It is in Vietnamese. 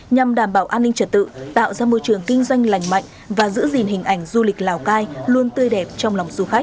nhằm đảm bảo an ninh trật tự tạo ra môi trường kinh doanh lành mạnh và giữ gìn hình ảnh du lịch lào cai luôn tươi đẹp trong lòng du khách